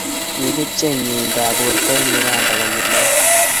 kikibchei meindab borta eng' Uganda konyel oeng'.